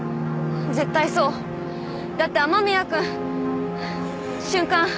絶対そうだって雨宮君瞬間